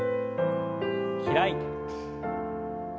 開いて。